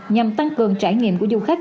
nhằm tăng cường trải nghiệm của du khách